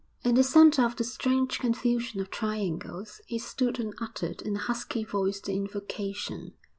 In the centre of the strange confusion of triangles he stood and uttered in a husky voice the invocation.